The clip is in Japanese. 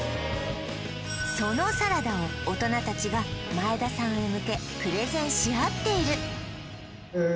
そのサラダを大人たちが前田さんへ向けプレゼンし合っているえっ